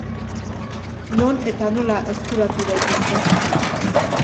Non eta nola eskuratu daitezke?